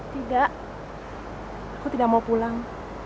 tidak aku tidak mau pulang